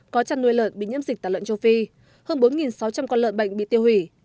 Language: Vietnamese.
có chăn nuôi lợn bị nhiễm dịch tả lợn châu phi hơn bốn sáu trăm linh con lợn bệnh bị tiêu hủy